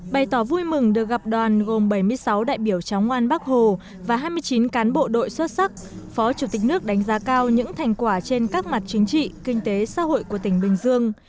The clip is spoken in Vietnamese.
bày tỏ vui mừng được gặp đoàn gồm bảy mươi sáu đại biểu cháu ngoan bắc hồ và hai mươi chín cán bộ đội xuất sắc phó chủ tịch nước đánh giá cao những thành quả trên các mặt chính trị kinh tế xã hội của tỉnh bình dương